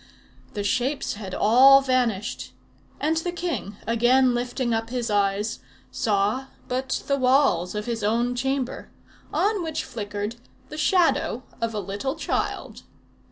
The shapes had all vanished; and the king, again lifting up his eyes, saw but the wall of his own chamber, on which flickered the Shadow of a Little Child.